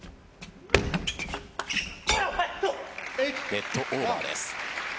ネットオーバーです。